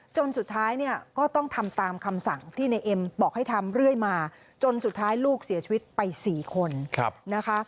จนสุดท้ายเนี่ยก็ต้องทำตามคำสั่งที่ในเอ็มบอกให้ทำเรื่อยมาจนสุดท้ายลูกเสียชีวิตไป๔คนนะคะ